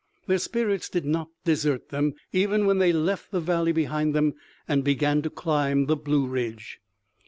Their spirits did not desert them, even when they left the valley behind them and began to climb the Blue Ridge.